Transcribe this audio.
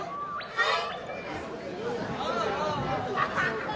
はい！